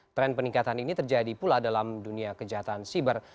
tren peningkatan ini terjadi pula dalam dunia kejahatan siber